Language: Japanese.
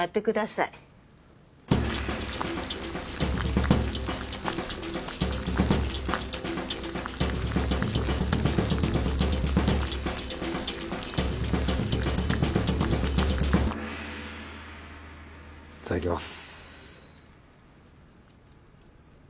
いただきます。